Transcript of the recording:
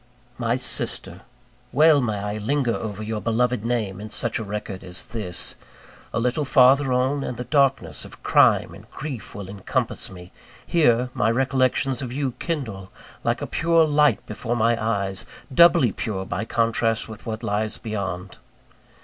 My sister! well may I linger over your beloved name in such a record as this. A little farther on, and the darkness of crime and grief will encompass me; here, my recollections of you kindle like a pure light before my eyes doubly pure by contrast with what lies beyond.